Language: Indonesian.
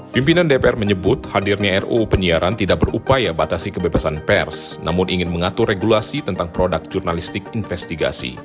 pimpinan dpr menyebut hadirnya ruu penyiaran tidak berupaya batasi kebebasan pers namun ingin mengatur regulasi tentang produk jurnalistik investigasi